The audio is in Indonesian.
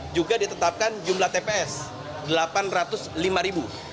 juga ditetapkan jumlah tps delapan ratus lima ribu